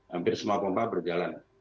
hampir semua pompa berjalan